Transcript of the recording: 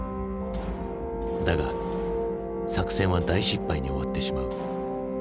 だが作戦は大失敗に終わってしまう。